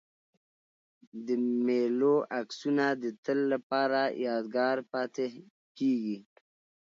د مېلو عکسونه د تل له پاره یادګار پاته کېږي.